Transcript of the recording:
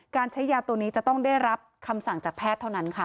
การใช้ยาตัวนี้จะต้องได้รับคำสั่งจากแพทย์เท่านั้นค่ะ